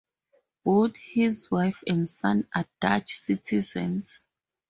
Both his wife and son are Dutch citizens.